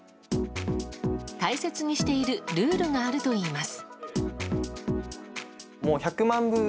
大切にしているルールがあるといいます。